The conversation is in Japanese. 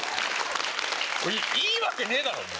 いいわけねえだろお前！